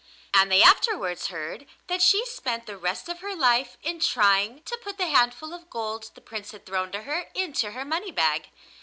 And they afterwards heard that she spent the rest of her life in trying to put the handful of gold the Prince had thrown to her into her money bag.